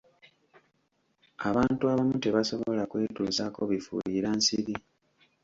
Abantu abamu tebasobola kwetusaako bifuuyira nsiri.